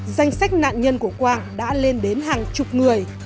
danh sách nạn nhân của quang đã lên đến hàng chục người